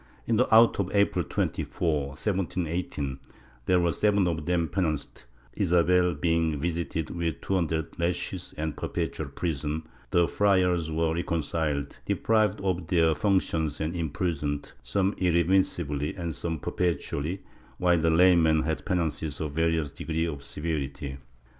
In the auto of April 24, 1718, there were seven of them penanced, Isabel being visited with two hundred lashes and perpetual prison; the friars were recon ciled, deprived of their functions and imprisoned, some irremis sibly and some perpetually, while the laymen had penances of various degrees of severity.